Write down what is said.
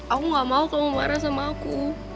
aku gak mau kamu marah sama aku